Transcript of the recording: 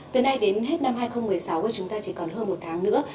từ nay đến hết năm hai nghìn một mươi sáu và chúng ta chỉ còn hơn một tháng nữa